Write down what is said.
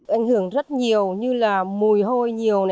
ảnh hưởng rất nhiều như là mùi hôi nhiều